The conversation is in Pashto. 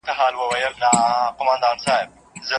ادم عليه سلام د شيانو په نومونو پوهېده.